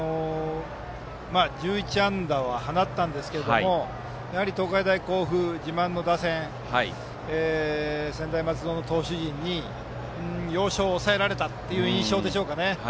１１安打を放ったんですがやはり東海大甲府自慢の打線が専大松戸の投手陣に要所を抑えられたという印象でしょうか。